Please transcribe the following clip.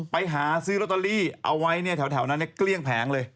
ไปหาซื้อลอตเตอรี่เอาไว้เนี่ยแถวนั้นเกลี้ยงแผงเลย